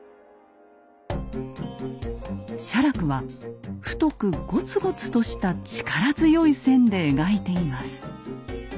写楽は太くゴツゴツとした力強い線で描いています。